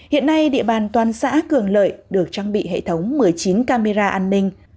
hiện nay địa bàn toàn xã cường lợi được trang bị hệ thống một mươi chín camera an ninh